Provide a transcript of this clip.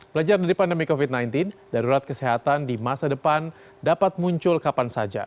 belajar dari pandemi covid sembilan belas darurat kesehatan di masa depan dapat muncul kapan saja